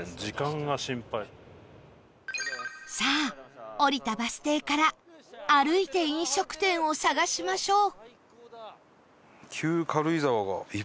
さあ降りたバス停から歩いて飲食店を探しましょう